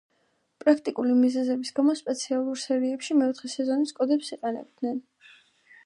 პრაქტიკული მიზეზების გამო სპეციალურ სერიებში მეოთხე სეზონის კოდებს იყენებდნენ.